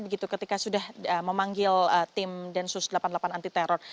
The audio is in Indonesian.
begitu ketika sudah memanggil tim densus delapan puluh delapan anti teror